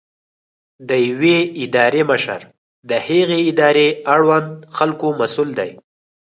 د یوې ادارې مشر د هغې ادارې اړوند خلکو مسؤل دی.